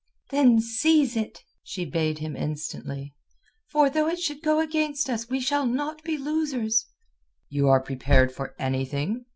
"Then seize it," she bade him instantly. "For though it should go against us we shall not be losers." "You are prepared for anything?"